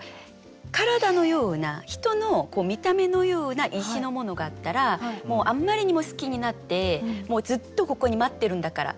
体のような人の見た目のような石のものがあったらもうあんまりにも好きになってもうずっとここに待ってるんだから。